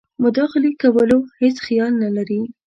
مداخلې کولو هیڅ خیال نه لري.